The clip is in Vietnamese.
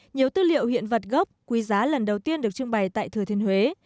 nhiều tư liệu hiện vật gốc quý giá lần đầu tiên được trưng bày tại thừa thiên huế